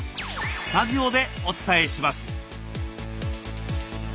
スタジオでお伝えします。